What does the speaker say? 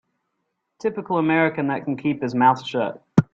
Typical American that can keep his mouth shut.